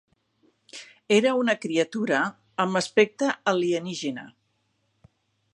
Era una criatura amb aspecte alienígena.